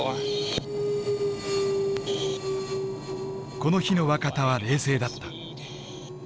この日の若田は冷静だった。